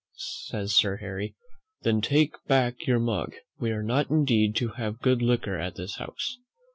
says Sir Harry, "then take back your mug; we are like indeed to have good liquor at this house!"